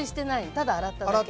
ただ洗っただけ。